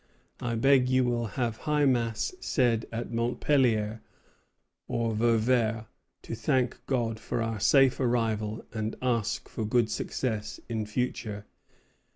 I beg you will have High Mass said at Montpellier or Vauvert to thank God for our safe arrival and ask for good success in future."